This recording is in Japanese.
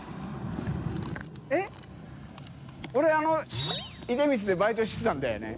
┐叩あの「出光」でバイトしてたんだよね。